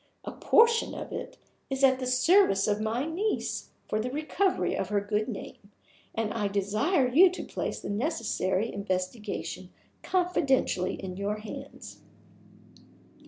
A portion of it is at the service of my niece for the recovery of her good name; and I desire to place the necessary investigation confidentially in your hands.